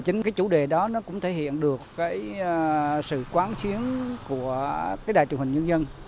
chính cái chủ đề đó nó cũng thể hiện được sự quán chiến của đại trưởng hình nhân dân